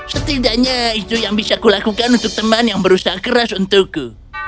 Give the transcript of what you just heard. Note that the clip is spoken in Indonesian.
setidaknya itu yang bisa kulakukan untuk teman yang berusaha keras untukku